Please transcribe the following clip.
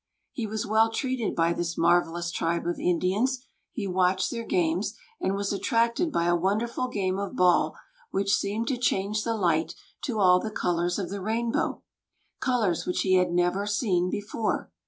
He was well treated by this marvellous tribe of Indians; he watched their games, and was attracted by a wonderful game of ball which seemed to change the light to all the colors of the rainbow, colors which he had never seen before.